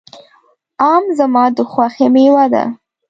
آم زما د خوښې مېوه ده.